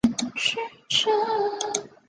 里巴尔鲁伊。